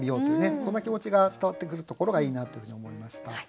そんな気持ちが伝わってくるところがいいなというふうに思いました。